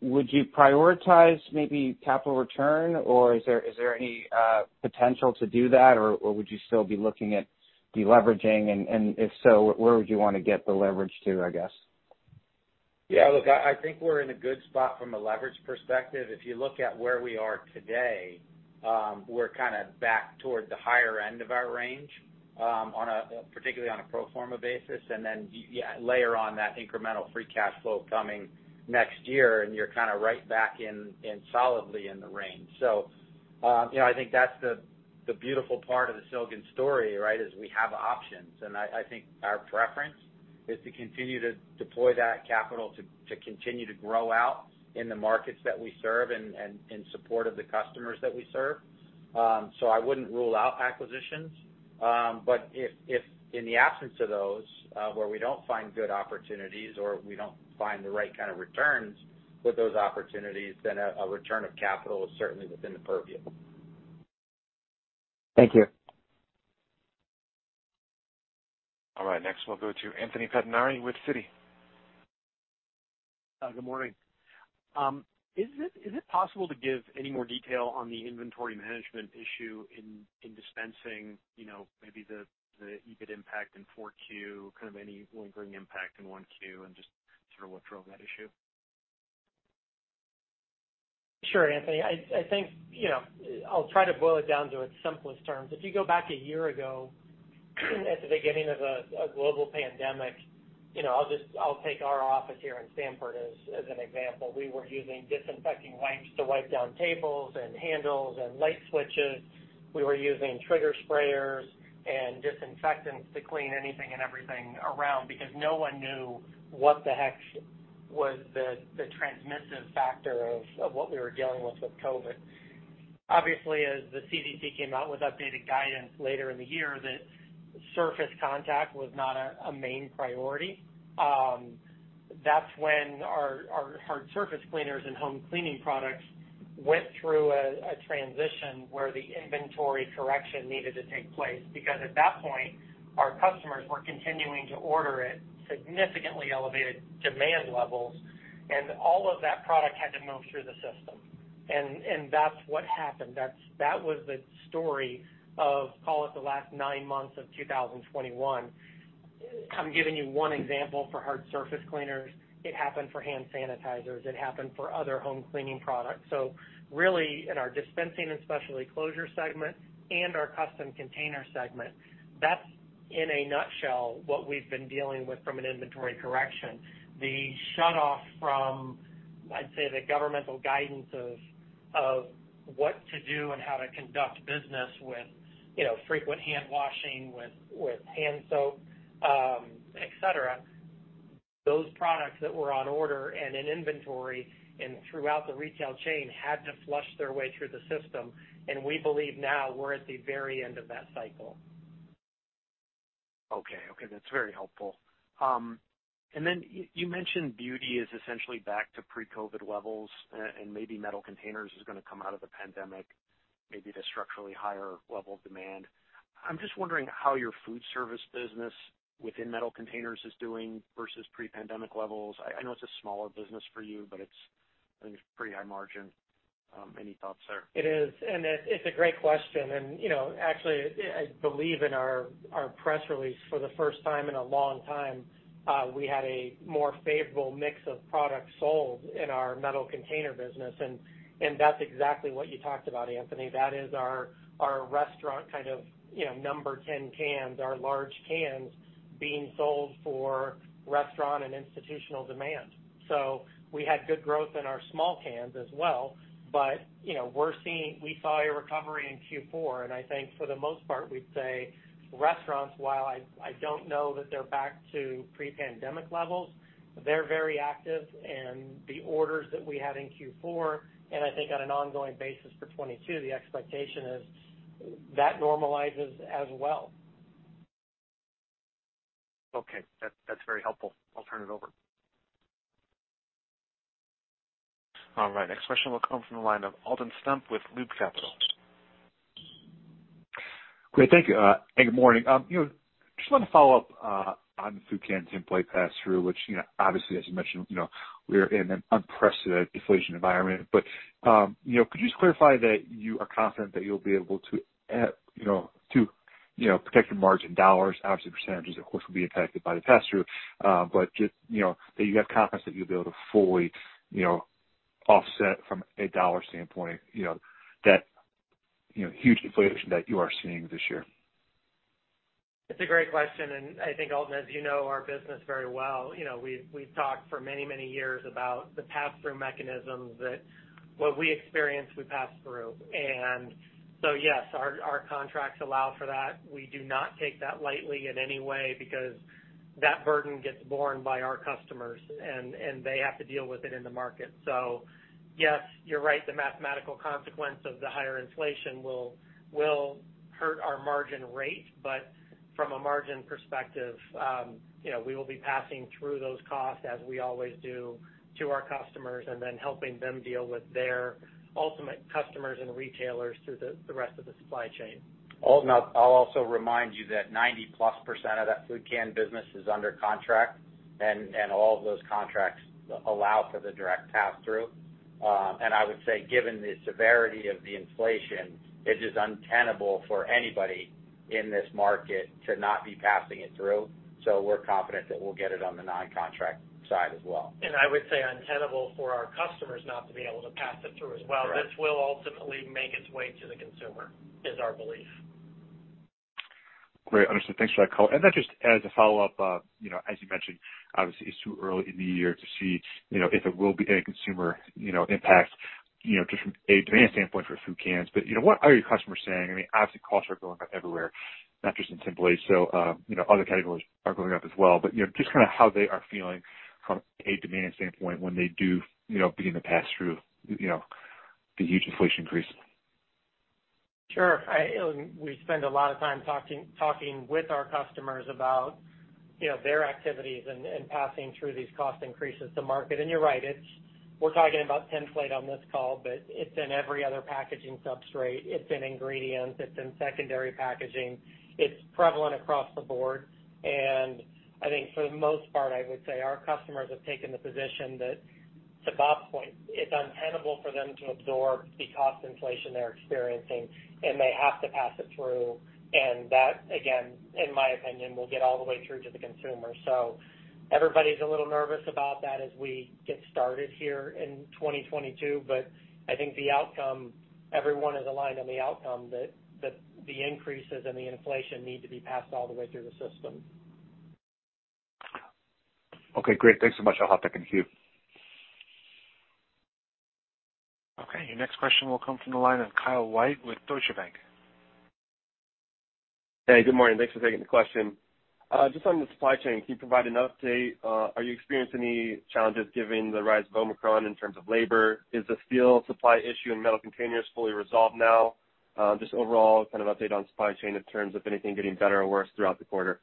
would you prioritize maybe capital return or is there any potential to do that or would you still be looking at deleveraging? If so, where would you wanna get the leverage to, I guess? Yeah. Look, I think we're in a good spot from a leverage perspective. If you look at where we are today, we're kinda back toward the higher end of our range, particularly on a pro forma basis. Then yeah, layer on that incremental free cash flow coming next year and you're kinda right back in solidly in the range. You know, I think that's the beautiful part of the Silgan story, right? Is we have options. I think our preference is to continue to deploy that capital to continue to grow out in the markets that we serve and in support of the customers that we serve. I wouldn't rule out acquisitions. If in the absence of those where we don't find good opportunities or we don't find the right kind of returns with those opportunities, then a return of capital is certainly within the purview. Thank you. All right. Next we'll go to Anthony Pettinari with Citi. Good morning. Is it possible to give any more detail on the inventory management issue in dispensing, you know, maybe the EBIT impact in Q4, kind of any lingering impact in Q1, and just sort of what drove that issue? Sure, Anthony. I think, you know, I'll try to boil it down to its simplest terms. If you go back a year ago at the beginning of a global pandemic, you know, I'll just take our office here in Stamford as an example. We were using disinfecting wipes to wipe down tables and handles and light switches. We were using trigger sprayers and disinfectants to clean anything and everything around because no one knew what the heck was the transmissive factor of what we were dealing with with COVID. Obviously, as the CDC came out with updated guidance later in the year that surface contact was not a main priority, that's when our hard surface cleaners and home cleaning products went through a transition where the inventory correction needed to take place. Because at that point, our customers were continuing to order at significantly elevated demand levels, and all of that product had to move through the system. That's what happened. That was the story of, call it, the last nine months of 2021. I'm giving you one example for hard surface cleaners. It happened for hand sanitizers. It happened for other home cleaning products. Really in our Dispensing and Specialty Closures segment and our Custom Containers segment, that's in a nutshell what we've been dealing with from an inventory correction. The shut off from, I'd say, the governmental guidance of what to do and how to conduct business with, you know, frequent hand washing with hand soap, et cetera, those products that were on order and in inventory and throughout the retail chain had to flush their way through the system. We believe now we're at the very end of that cycle. Okay. Okay, that's very helpful. You mentioned beauty is essentially back to pre-COVID levels, and maybe Metal Containers is gonna come out of the pandemic, maybe at a structurally higher level of demand. I'm just wondering how your food service business within Metal Containers is doing versus pre-pandemic levels. I know it's a smaller business for you, but I think it's pretty high margin. Any thoughts there? It's a great question. You know, actually I believe in our press release for the first time in a long time, we had a more favorable mix of products sold in our Metal Containers business. That's exactly what you talked about, Anthony. That is our restaurant kind of, you know, No. 10 cans, our large cans being sold for restaurant and institutional demand. We had good growth in our small cans as well. You know, we saw a recovery in Q4, and I think for the most part we'd say restaurants, while I don't know that they're back to pre-pandemic levels, they're very active. The orders that we had in Q4, and I think on an ongoing basis for 2022, the expectation is that normalizes as well. Okay. That's very helpful. I'll turn it over. All right, next question will come from the line of Alton Stump with Loop Capital. Great. Thank you. Good morning. You know, just wanted to follow up on the food can tinplate pass-through, which, you know, obviously, as you mentioned, you know, we are in an unprecedented inflation environment. You know, could you just clarify that you are confident that you'll be able to protect your margin dollars? Obviously, percentages, of course, will be impacted by the pass-through. Just, you know, that you have confidence that you'll be able to fully, you know, offset from a dollar standpoint, you know, that huge inflation that you are seeing this year. It's a great question. I think, Alton, as you know our business very well, you know, we've talked for many years about the pass-through mechanisms that what we experience, we pass-through. Yes, our contracts allow for that. We do not take that lightly in any way because that burden gets borne by our customers and they have to deal with it in the market. Yes, you're right, the mathematical consequence of the higher inflation will hurt our margin rate. From a margin perspective, you know, we will be passing through those costs as we always do to our customers and then helping them deal with their ultimate customers and retailers through the rest of the supply chain. I'll also remind you that 90%+ of that food can business is under contract, and all of those contracts allow for the direct pass-through. I would say, given the severity of the inflation, it is untenable for anybody in this market to not be passing it through. We're confident that we'll get it on the non-contract side as well. I would say untenable for our customers not to be able to pass it through as well. Correct. This will ultimately make its way to the consumer, is our belief. Great. Understood. Thanks for that color. Then just as a follow-up, you know, as you mentioned, obviously, it's too early in the year to see, you know, if it will be any consumer, you know, impact, you know, just from a demand standpoint for food cans. You know, what are your customers saying? I mean, obviously costs are going up everywhere, not just in tinplate. You know, other categories are going up as well. You know, just kind of how they are feeling from a demand standpoint when they do, you know, begin to pass through, you know, the huge inflation increase? Sure. We spend a lot of time talking with our customers about, you know, their activities and passing through these cost increases to market. You're right, we're talking about tinplate on this call, but it's in every other packaging substrate. It's in ingredients. It's in secondary packaging. It's prevalent across the board. I think for the most part, I would say our customers have taken the position that, to Bob's point, it's untenable for them to absorb the cost inflation they're experiencing, and they have to pass it through. That, again, in my opinion, will get all the way through to the consumer. Everybody's a little nervous about that as we get started here in 2022. I think the outcome, everyone is aligned on the outcome that the increases and the inflation need to be passed all the way through the system. Okay, great. Thanks so much. I'll hop back in queue. Okay, your next question will come from the line of Kyle White with Deutsche Bank. Hey, good morning. Thanks for taking the question. Just on the supply chain, can you provide an update? Are you experiencing any challenges given the rise of Omicron in terms of labor? Is the steel supply issue in Metal Containers fully resolved now? Just overall kind of update on supply chain in terms of anything getting better or worse throughout the quarter.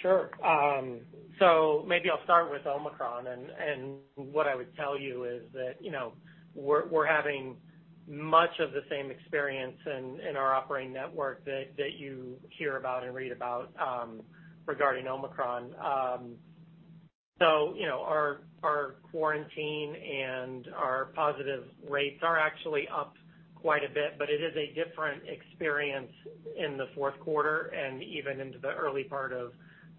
Sure. Maybe I'll start with Omicron. What I would tell you is that, you know, we're having much of the same experience in our operating network that you hear about and read about, regarding Omicron. You know, our quarantine and our positive rates are actually up quite a bit, but it is a different experience in the fourth quarter and even into the early part of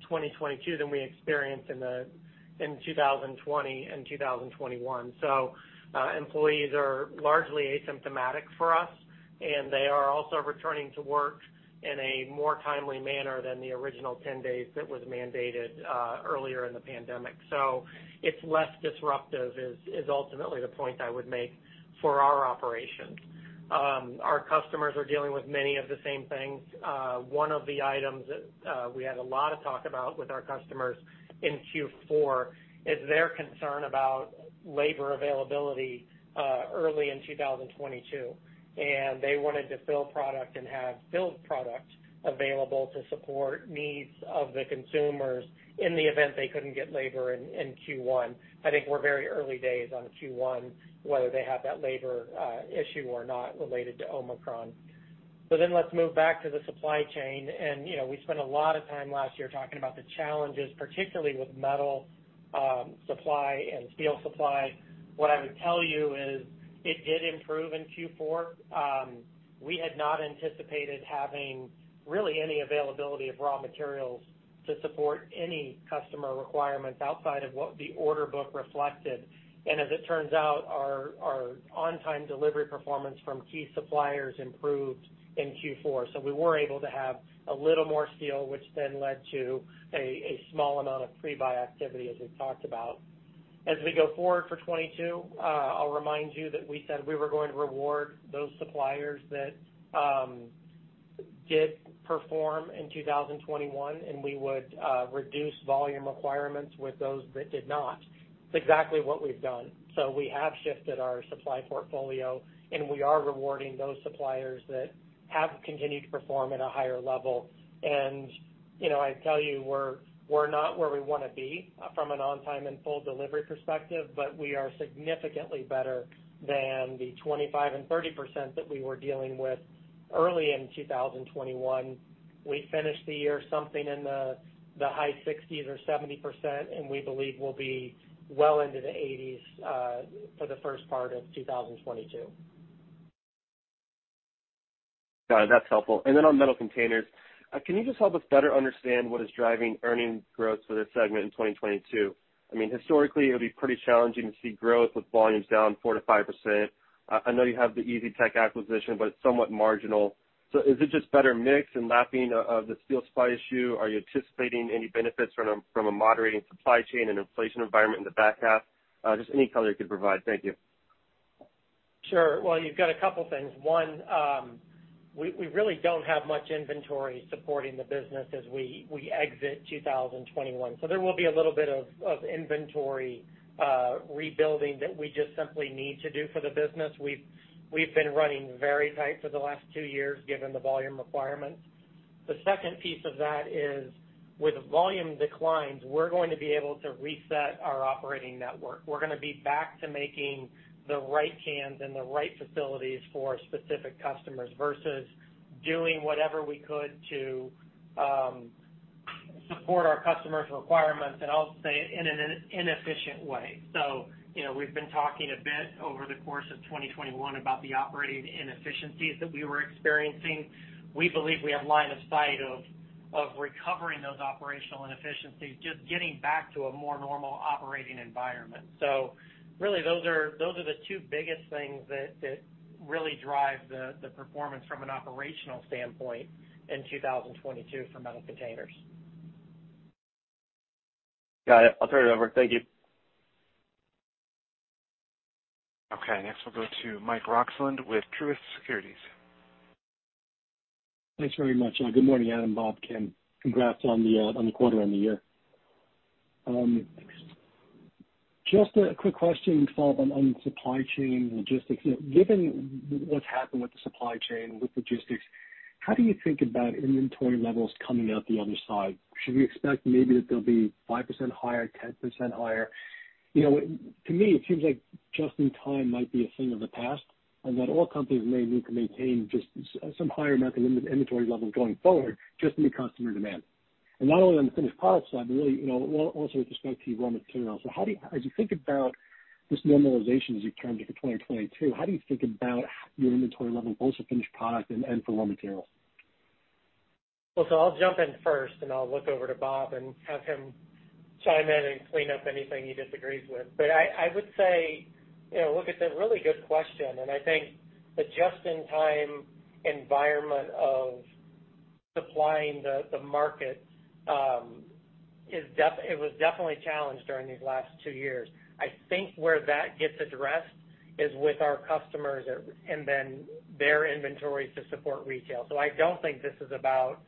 2022 than we experienced in 2020 and 2021. Employees are largely asymptomatic for us, and they are also returning to work in a more timely manner than the original 10 days that was mandated, earlier in the pandemic. It's less disruptive, is ultimately the point I would make for our operations. Our customers are dealing with many of the same things. One of the items that we had a lot of talk about with our customers in Q4 is their concern about labor availability early in 2022. They wanted to fill product and have filled product available to support needs of the consumers in the event they couldn't get labor in Q1. I think we're very early days on Q1, whether they have that labor issue or not related to Omicron. Let's move back to the supply chain. You know, we spent a lot of time last year talking about the challenges, particularly with metal supply and steel supply. What I would tell you is it did improve in Q4. We had not anticipated having really any availability of raw materials to support any customer requirements outside of what the order book reflected. It turns out, our on-time delivery performance from key suppliers improved in Q4. We were able to have a little more steel, which then led to a small amount of pre-buy activity, as we've talked about. As we go forward for 2022, I'll remind you that we said we were going to reward those suppliers that did perform in 2021, and we would reduce volume requirements with those that did not. It's exactly what we've done. We have shifted our supply portfolio, and we are rewarding those suppliers that have continued to perform at a higher level. You know, I'd tell you we're not where we wanna be from an on-time and full delivery perspective, but we are significantly better than the 25% and 30% that we were dealing with early in 2021. We finished the year something in the high 60s% or 70%, and we believe we'll be well into the 80s% for the first part of 2022. Got it. That's helpful. On metal containers, can you just help us better understand what is driving earnings growth for this segment in 2022? I mean, historically, it would be pretty challenging to see growth with volumes down 4%-5%. I know you have the Easytech acquisition, but it's somewhat marginal. Is it just better mix and lapping of the steel supply issue? Are you anticipating any benefits from a moderating supply chain and inflation environment in the back half? Just any color you could provide. Thank you. Sure. Well, you've got a couple things. One, we really don't have much inventory supporting the business as we exit 2021. So there will be a little bit of inventory rebuilding that we just simply need to do for the business. We've been running very tight for the last two years given the volume requirements. The second piece of that is with volume declines, we're going to be able to reset our operating network. We're gonna be back to making the right cans in the right facilities for specific customers versus doing whatever we could to support our customers' requirements, and I'll say it, in an inefficient way. So, you know, we've been talking a bit over the course of 2021 about the operating inefficiencies that we were experiencing. We believe we have line of sight of recovering those operational inefficiencies, just getting back to a more normal operating environment. Really, those are the two biggest things that really drive the performance from an operational standpoint in 2022 for Metal Containers. Got it. I'll turn it over. Thank you. Okay, next we'll go to Mike Roxland with Truist Securities. Thanks very much. Good morning, Adam, Bob, Kim. Congrats on the quarter and the year. Just a quick question to follow up on supply chain logistics. Given what's happened with the supply chain, with logistics, how do you think about inventory levels coming out the other side? Should we expect maybe that they'll be 5% higher, 10% higher? You know, to me, it seems like just in time might be a thing of the past and that all companies may need to maintain just some higher amount of inventory levels going forward just to meet customer demand. Not only on the finished product side, but really, you know, also with respect to raw materials. How do you, as you think about this normalization as you turn to 2022, think about your inventory levels, both for finished product and for raw materials? I'll jump in first, and I'll look over to Bob and have him chime in and clean up anything he disagrees with. I would say, you know, look, it's a really good question. I think the just-in-time environment of supplying the market was definitely challenged during these last two years. I think where that gets addressed is with our customers and then their inventories to support retail. I don't think this is about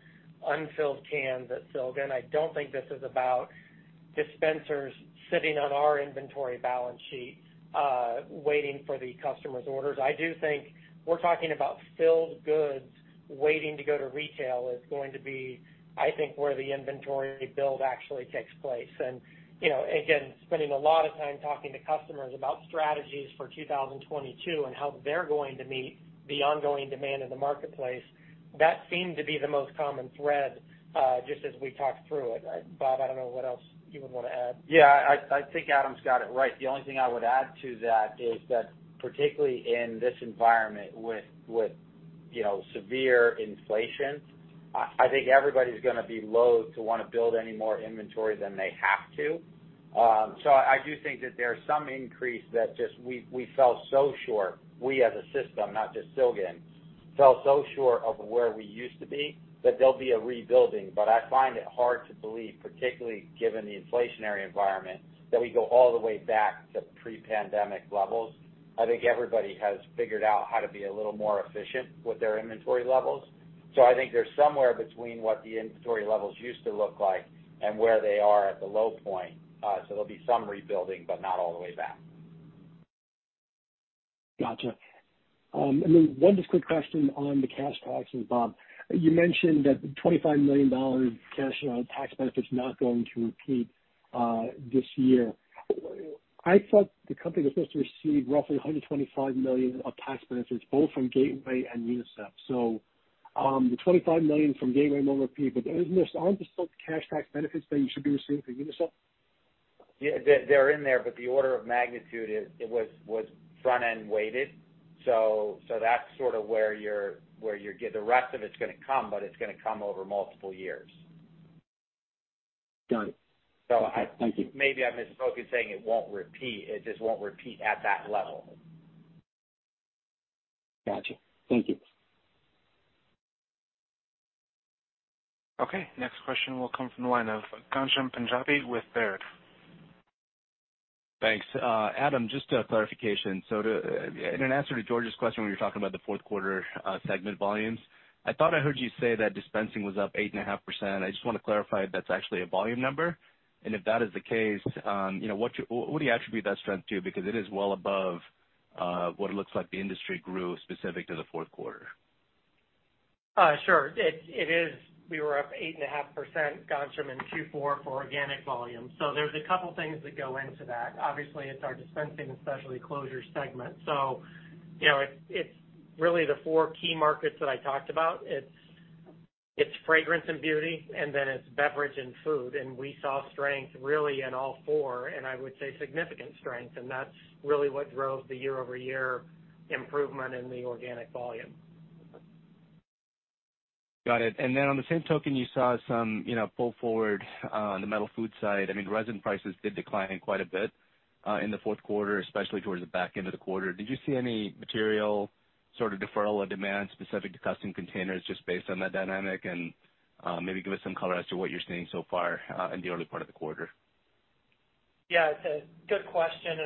unfilled cans at Silgan. I don't think this is about dispensers sitting on our inventory balance sheet waiting for the customer's orders. I do think we're talking about filled goods waiting to go to retail is going to be, I think, where the inventory build actually takes place. You know, again, spending a lot of time talking to customers about strategies for 2022 and how they're going to meet the ongoing demand in the marketplace, that seemed to be the most common thread, just as we talked through it. Bob, I don't know what else you would wanna add. Yeah, I think Adam's got it right. The only thing I would add to that is that particularly in this environment with you know, severe inflation, I think everybody's gonna be loath to wanna build any more inventory than they have to. So I do think that there's some increase that just we fell so short, we as a system, not just Silgan, fell so short of where we used to be that there'll be a rebuilding. But I find it hard to believe, particularly given the inflationary environment, that we go all the way back to pre-pandemic levels. I think everybody has figured out how to be a little more efficient with their inventory levels. So I think they're somewhere between what the inventory levels used to look like and where they are at the low point. There'll be some rebuilding, but not all the way back. Gotcha. Then one just quick question on the cash taxes, Bob. You mentioned that $25 million cash tax benefit's not going to repeat this year. I thought the company was supposed to receive roughly $125 million of tax benefits both from Gateway and Unicep. The $25 million from Gateway won't repeat, but aren't there still cash tax benefits that you should be receiving for Unicep? Yeah, they're in there, but the order of magnitude is that it was front-end weighted. That's sort of where the rest of it's gonna come, but it's gonna come over multiple years. Got it. So I Thank you. Maybe I misspoke in saying it won't repeat. It just won't repeat at that level. Gotcha. Thank you. Okay, next question will come from the line of Ghansham Panjabi with Baird. Thanks. Adam, just a clarification. In an answer to George's question, when you were talking about the fourth quarter segment volumes, I thought I heard you say that dispensing was up 8.5%. I just wanna clarify if that's actually a volume number. And if that is the case, you know, what do you attribute that strength to? Because it is well above what it looks like the industry grew specific to the fourth quarter. Sure. It is. We were up 8.5%, Ghansham, in Q4 for organic volume. There's a couple things that go into that. Obviously, it's our Dispensing and Specialty Closures segment. You know, it's really the four key markets that I talked about. It's fragrance and beauty, and then it's beverage and food. We saw strength really in all four, and I would say significant strength, and that's really what drove the year-over-year improvement in the organic volume. Got it. Then on the same token, you saw some, you know, pull forward, on the metal food side. I mean, resin prices did decline quite a bit, in the fourth quarter, especially towards the back end of the quarter. Did you see any material sort of deferral of demand specific to Custom Containers just based on that dynamic? Maybe give us some color as to what you're seeing so far, in the early part of the quarter. Yeah, it's a good question.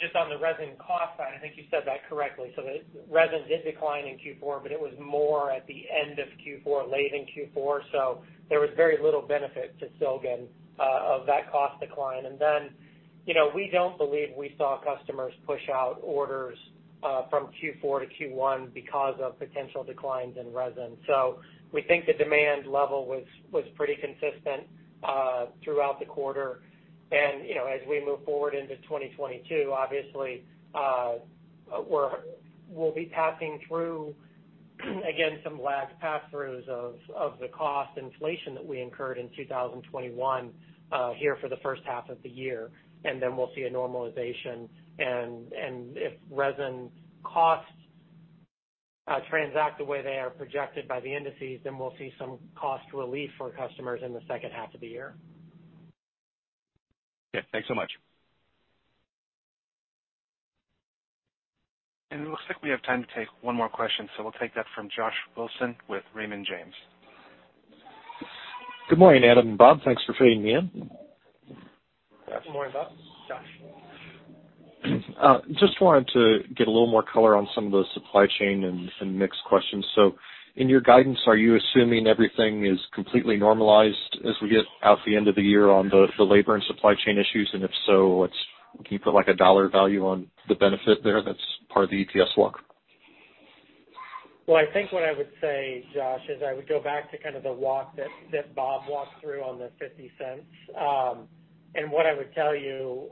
Just on the resin cost side, I think you said that correctly. The resin did decline in Q4, but it was more at the end of Q4, late in Q4. There was very little benefit to Silgan of that cost decline. You know, we don't believe we saw customers push out orders from Q4 to Q1 because of potential declines in resin. We think the demand level was pretty consistent throughout the quarter. You know, as we move forward into 2022, obviously, we'll be passing through, again, some lag pass-throughs of the cost inflation that we incurred in 2021 here for the first half of the year. Then we'll see a normalization. If resin costs transact the way they are projected by the indices, then we'll see some cost relief for customers in the second half of the year. Okay. Thanks so much. It looks like we have time to take one more question, so we'll take that from Josh Wilson with Raymond James. Good morning, Adam and Bob. Thanks for fitting me in. Good morning, Bob, Josh. Just wanted to get a little more color on some of the supply chain and mix questions. In your guidance, are you assuming everything is completely normalized as we get out to the end of the year on the labor and supply chain issues? If so, can you put, like, a dollar value on the benefit there that's part of the EPS walk? Well, I think what I would say, Josh, is I would go back to kind of the walk that Bob walked through on the $0.50. What I would tell you,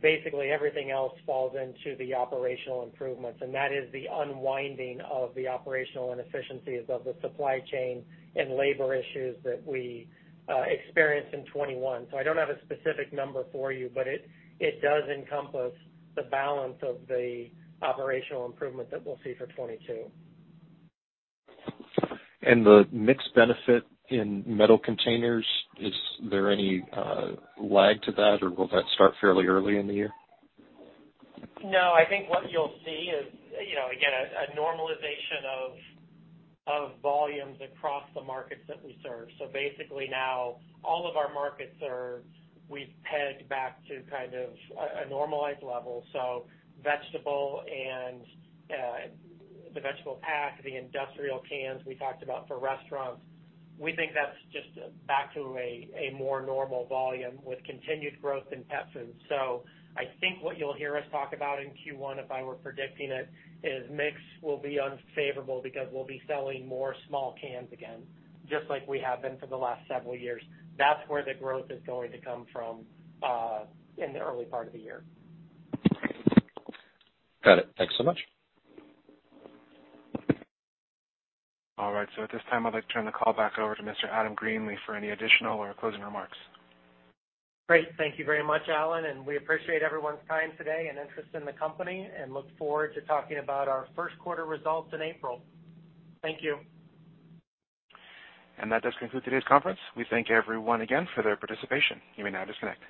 basically everything else falls into the operational improvements, and that is the unwinding of the operational inefficiencies of the supply chain and labor issues that we experienced in 2021. I don't have a specific number for you, but it does encompass the balance of the operational improvement that we'll see for 2022. The mix benefit in Metal Containers, is there any lag to that, or will that start fairly early in the year? No, I think what you'll see is, you know, again, a normalization of volumes across the markets that we serve. Basically now all of our markets, we've pegged back to kind of a normalized level. Vegetable and the vegetable pack, the industrial cans we talked about for restaurants, we think that's just back to a more normal volume with continued growth in pets and so. I think what you'll hear us talk about in Q1, if I were predicting it, is mix will be unfavorable because we'll be selling more small cans again, just like we have been for the last several years. That's where the growth is going to come from in the early part of the year. Got it. Thanks so much. All right, at this time, I'd like to turn the call back over to Mr. Adam Greenlee for any additional or closing remarks. Great. Thank you very much, Alan, and we appreciate everyone's time today and interest in the company and look forward to talking about our first quarter results in April. Thank you. That does conclude today's conference. We thank everyone again for their participation. You may now disconnect.